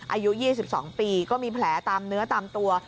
อายุ๒๒ปีก็มีแผลตามเนื้อตามตัว